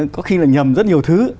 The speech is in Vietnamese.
có khi là nhầm rất nhiều thứ